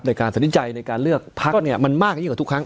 ในการตัดสินใจในการเลือกพักเนี่ยมันมากยิ่งกว่าทุกครั้ง